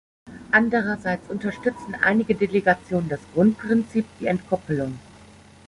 Andererseits unterstützen einige Delegationen das Grundprinzip, die Entkoppelung.